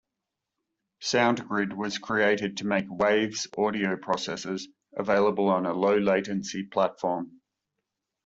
SoundGrid was created to make Waves audio processors available on a low-latency platform.